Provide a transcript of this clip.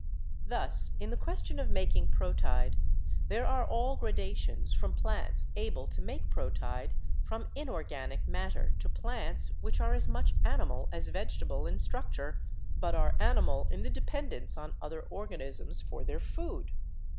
Thus in the question of making proteid there are all gradations from plants able to make proteid from inor ganic matter to plants which are as much animal as vegetable in structure, but are animal in the dependence on other organisms for their food.